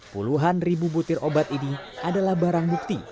puluhan ribu butir obat ini adalah barang bukti